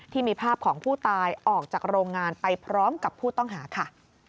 ที่มีภาพของผู้ตายออกจากโรงงานไปพร้อมกับผู้ต้องหาค่ะ